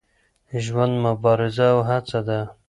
ژوند مبارزه او هڅه ده.